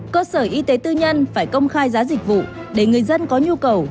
cơ sở y tế tư nhân phải công khai giá dịch vụ để người dân có nhu cầu